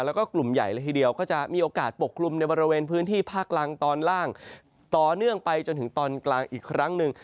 แล้วก็กลุ่มใหญ่เลยทีเดียวก็จะมีโอกาสปกกลุ่มในบริเวณพื้นที่ภาคล่างตอนล่างต่อเนื่องไปจนถึงตอนกลางอีกครั้งหนึ่ง